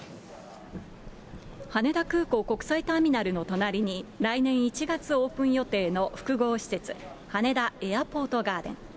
羽田空港国際ターミナルの隣に、来年１月オープン予定の複合施設、羽田エアポートガーデン。